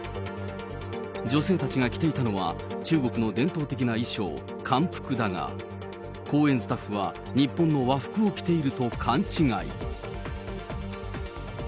女性たちが着ていたのは、中国の伝統的な衣装、漢服だが、公園スタッフは日本の和服を着ていると勘違い。